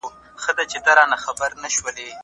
د علم یوه ځانګړنه د راتلونکي دقيق اټکل دی.